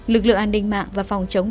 lực lượng an ninh mạng và phòng chống